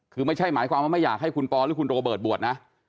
คือไม่ใช่หมายความว่าไม่อยากให้คุณปอหรือคุณโรเบิร์ตบวชนะ